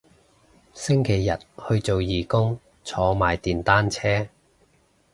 星期日去做義工坐埋電單車